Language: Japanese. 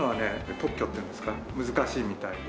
特許っていうんですか難しいみたいで。